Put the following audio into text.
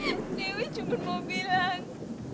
pak pak dewi cuma mau bilang